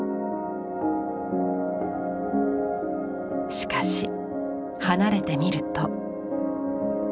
しかし離れてみると。